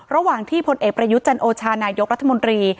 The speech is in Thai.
ระหว่างที่พลเอกประยุทธ์จันโอชานายกรัฐมนตรี